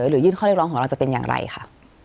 หรือยื่นข้อเรียกร้องของเราจะเป็นอย่างไรค่ะ